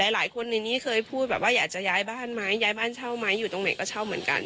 หลายคนในนี้เคยพูดแบบว่าอยากจะย้ายบ้านไหมย้ายบ้านเช่าไหมอยู่ตรงไหนก็เช่าเหมือนกัน